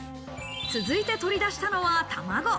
続いて取り出したのは卵。